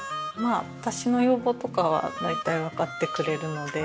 私の要望とかは大体わかってくれるので。